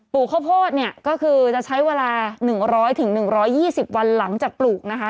ลูกข้าวโพดเนี่ยก็คือจะใช้เวลา๑๐๐๑๒๐วันหลังจากปลูกนะคะ